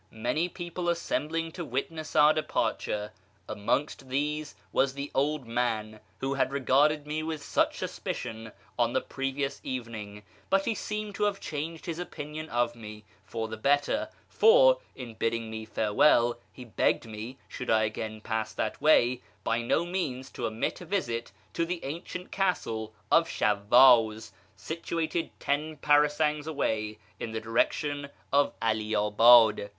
many people assem bling to witness our departure. Amongst these was the old man who had regarded me with such suspicion on the previous evening, but he seemed to have changed his opinion of me for the better, for, in bidding me farewell, he begged me, should I again pass that w\ay, by no means to omit a visit to the ancient castle of Shawwaz, situated ten parasangs away, in the direc tion of 'Ali abad.